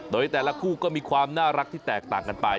โดยแต่ละคู่ก็มีความน่ารักที่แตกต่างกันไป